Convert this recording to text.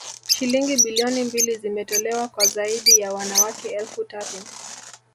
Shilingi bilioni mbili zimetolewa kwa zaidi ya wanawake elfu tatu